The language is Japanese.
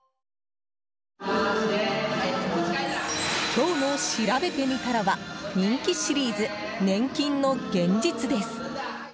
今日のしらべてみたらは人気シリーズ、年金の現実です。